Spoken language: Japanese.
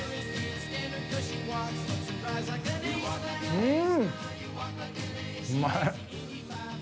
うん！